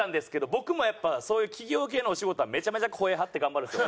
僕もやっぱそういう企業系のお仕事はめちゃめちゃ声張って頑張るんですよ。